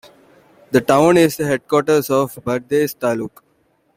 The town is the headquarters of Bardez Taluka.